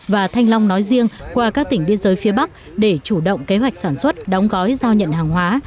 và thanh long nói riêng qua các tỉnh biên giới phía bắc để chủ động kế hoạch sản xuất đóng gói giao nhận hàng hóa